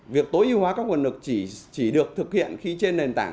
việc tối ưu hóa các nguồn lực chỉ được thực hiện khi trên nền tảng